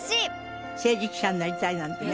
政治記者になりたいなんてね。